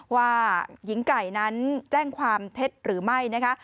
ว่าหญิงไก่นั้นแจ้งความเท็จหรือไม่นะคะ